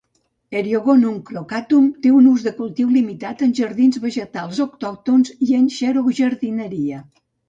"Eriogonum crocatum" té un ús de cultiu limitat en jardins vegetals autòctons i en xerojardineria.